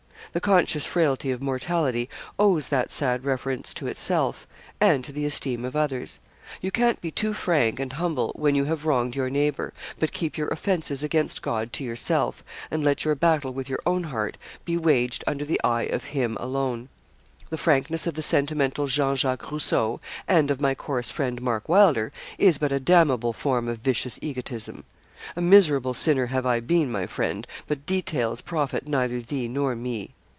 The conscious frailty of mortality owes that sad reverence to itself, and to the esteem of others. You can't be too frank and humble when you have wronged your neighbour; but keep your offences against God to yourself, and let your battle with your own heart be waged under the eye of Him alone. The frankness of the sentimental Jean Jacques Rousseau, and of my coarse friend, Mark Wylder, is but a damnable form of vicious egotism. A miserable sinner have I been, my friend, but details profit neither thee nor me.